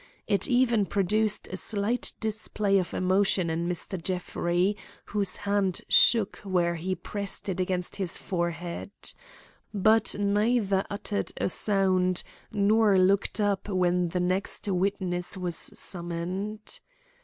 It even produced a slight display of emotion in Mr. Jeffrey, whose hand shook where he pressed it against his forehead. But neither uttered a sound, nor looked up when the next witness was summoned.